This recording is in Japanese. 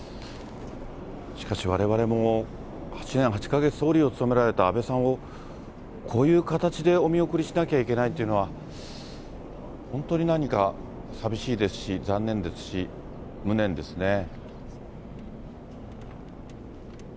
しかし、われわれも８年８か月総理を務められた安倍さんをこういう形でお見送りしなきゃいけないというのは、本当に何か寂しいですし、残念ですし、無念ですね。